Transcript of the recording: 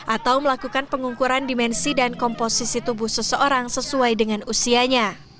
atau melakukan pengukuran dimensi dan komposisi tubuh seseorang sesuai dengan usianya